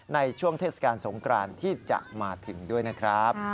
ในช่วงเทศกาลสงกรานที่จะมาถึงด้วยนะครับ